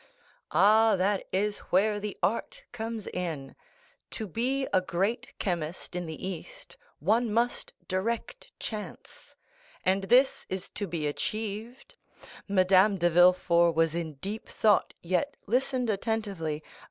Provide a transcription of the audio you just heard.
"Ah, that is where the art comes in. To be a great chemist in the East, one must direct chance; and this is to be achieved." Madame de Villefort was in deep thought, yet listened attentively.